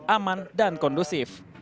aman dan kondusif